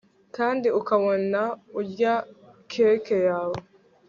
kandi ukabona urya cake yawe